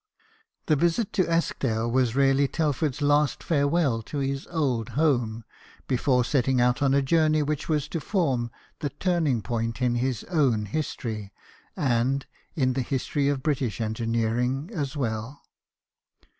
This visit to Eskdale was really Telford's last farewell to his old home, before setting out on a journey which was to form the turning point in his own history, and in the history of British engineering as well.